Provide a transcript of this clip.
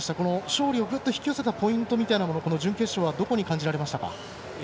勝利を引き寄せたポイントみたいなものは準決勝はどこに感じられましたか？